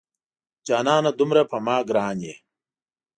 جانانه دومره په ما ګران یې